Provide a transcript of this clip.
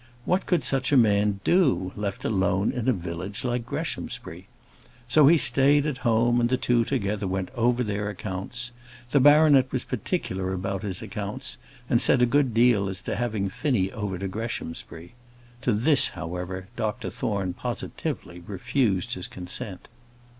What could such a man do, left alone in a village like Greshamsbury? So he stayed at home, and the two together went over their accounts. The baronet was particular about his accounts, and said a good deal as to having Finnie over to Greshamsbury. To this, however, Dr Thorne positively refused his consent.